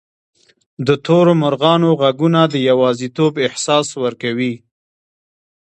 د تورو مرغانو ږغونه د یوازیتوب احساس ورکوي.